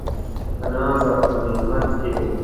په ناز او په نعمت کي و .